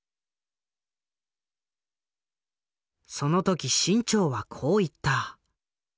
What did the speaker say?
その時志ん朝はこう言った。